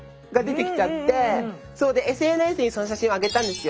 でＳＮＳにその写真を上げたんですよ。